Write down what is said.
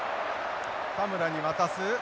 田村に渡す。